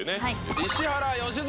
石原良純